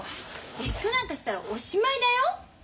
別居なんかしたらおしまいだよ？